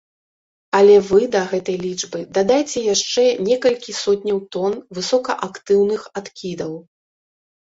Але вы да гэтай лічбы дадайце яшчэ некалькі сотняў тон высокаактыўных адкідаў.